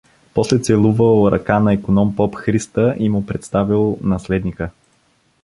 После целувал ръка на иконом поп Христа и му представил наследника!